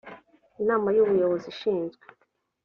inama y ubuyobozi ishinzwe